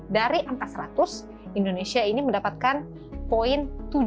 dari angka seratus indonesia ini mendapatkan poin tujuh